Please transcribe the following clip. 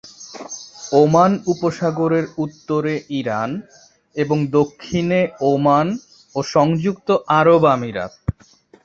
Oman উপসাগরের উত্তরে Iran, এবং দক্ষিণে ওমান ও সংযুক্ত আরব আমিরাত।